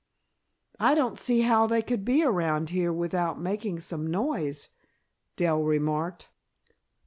"I don't see how they could be around here without making some noise," Dell remarked.